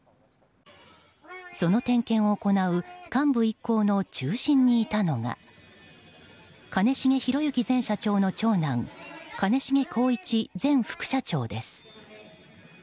その点検を行う幹部一行の中心にいたのが兼重宏行前社長の長男兼重宏一前副社長です。